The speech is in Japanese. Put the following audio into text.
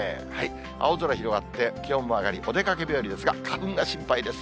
青空広がって、気温も上がり、お出かけ日和ですが、花粉が心配です。